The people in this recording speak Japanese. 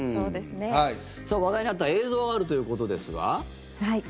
話題になった映像があるということですが。